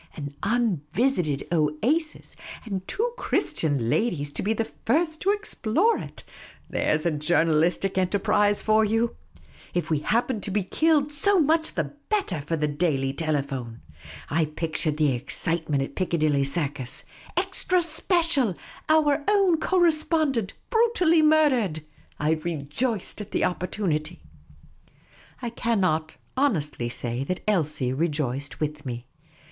An unvisited oasis — and two Christian ladies to be the first to explore it : there 's journalistic enterprise for you ! The Unobtrusive Oasis 191 If we happened to be killed, so much the better for the Daily Telephone. I pictured the excitement at Piccadilly Circus. " Extra Special, Our Own Correspondent brutally mur dered !" I rejoiced at the opportunity. I cannot honestly say that Elsie rejoiced with me.